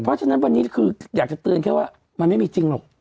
เพราะฉะนั้นวันนี้คืออยากจะเตือนแค่ว่ามันไม่มีจริงหรอก